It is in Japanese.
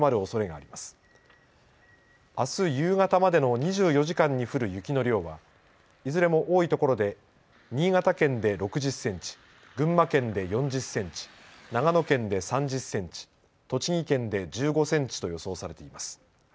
あす夕方までの２４時間に降る雪の量はいずれも多いところで新潟県で６０センチ、群馬県で４０センチ、長野県で３０センチ、栃木県で１５センチと予想されています。